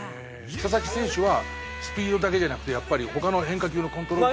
佐々木選手はスピードだけじゃなくてやっぱり他の変化球のコントロール。